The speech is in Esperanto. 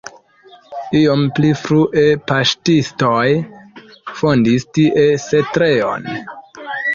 Iom pli frue paŝtistoj fondis tie setlejon.